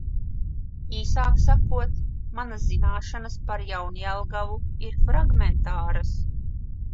Īsāk sakot – manas zināšanas par Jaunjelgavu ir fragmentāras.